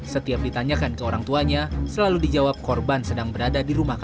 setiap ditanyakan ke orang tuanya selalu dijawab korban sedang berada di rumah